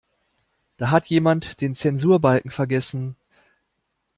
Da hat jemand den Zensurbalken vergessen.